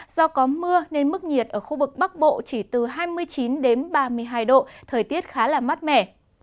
do có mưa nên mức nhiệt ở khu vực bắc bộ chỉ từ hai mươi chín đến ba mươi hai độ thời tiết khá là mát mẻ